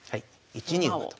１二馬と。